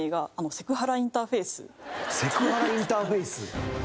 『セクハラ・インターフェイス』。